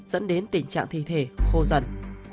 dẫn đến tình trạng thi thể khô dần